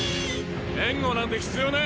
援護なんて必要ねえ！